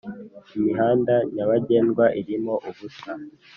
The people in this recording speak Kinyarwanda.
Imihanda nyabagendwa irimo ubusa,